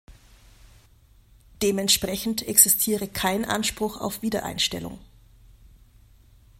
Dementsprechend existiere kein Anspruch auf Wiedereinstellung.